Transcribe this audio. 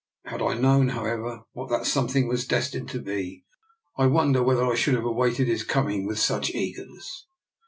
Had I known, however, what that some thing was destined to be, I wonder whether I should have awaited his coming with such eagerness.